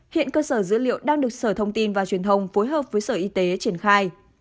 hiện cơ sở dữ liệu đang được sở thông tin và truyền thông phối hợp với sở y tế triển khai